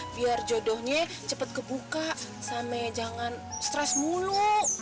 biar jodohnya cepet kebuka sampe jangan stres mulu